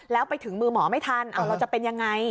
แล้วไปถึงมือหมอไม่ทันเราจะเป็นยังไง